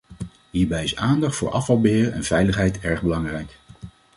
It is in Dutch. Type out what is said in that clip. Hierbij is aandacht voor afvalbeheer en veiligheid erg belangrijk.